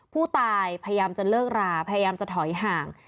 พยายามจะเลิกราพยายามจะถอยห่าง